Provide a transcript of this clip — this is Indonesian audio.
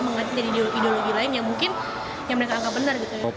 mengganti ideologi lain yang mungkin yang mereka angka benar gitu ya